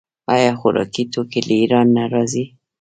آیا خوراکي توکي له ایران نه راځي؟